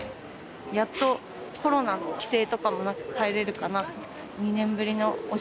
やっとコロナの規制とかもなく帰れるかなと。